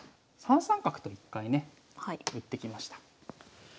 ３三角と一回ね打ってきました。